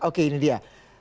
oke ini dia